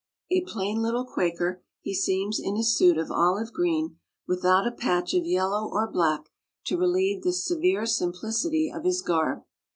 A plain little Quaker he seems in his suit of olive green without a patch of yellow or black to relieve the severe simplicity of his garb.